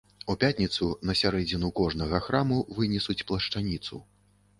У пятніцу на сярэдзіну кожнага храму вынесуць плашчаніцу.